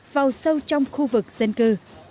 vào sâu trong khu vực dân cư